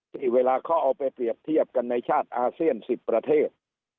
ที่เวลาเขาเอาไปเปรียบเทียบกันในชาติอาเซียน๑๐ประเทศ